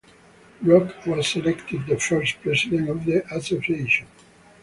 Brock was elected the first president of the association.